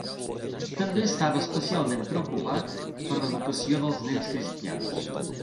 També estava especialment preocupats per l'educació dels nens cristians.